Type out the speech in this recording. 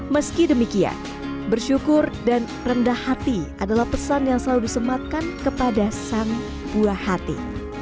meski demikian bersyukur dan rendah hati adalah pesan yang selalu disematkan kepada sang buah hati